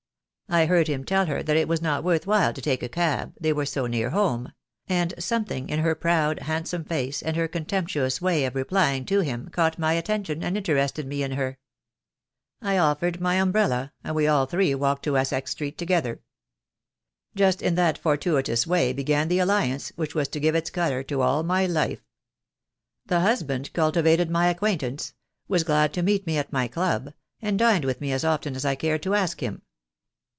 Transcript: I heard him tell her that it was not worth while to take a cab, they were so near home; and something in her proud, handsome face and her contemptuous way of THE DAY WILL COME. 1 93 of replying to him caught my attention and interested me in her. I offered my umbrella, and we all three walked to Essex Street together. Just in that fortuitous way began the alliance which was to give its colour to all my life. The husband cultivated my acquaintance — was glad to meet me at my club — and dined with me as often as I cared to ask him.